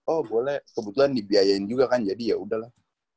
oh boleh kebetulan dibiayain juga kan jadi yaudah lah